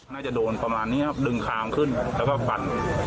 น่าจะโดนประมาณนี้ครับดึงคางขึ้นแล้วก็ฟัน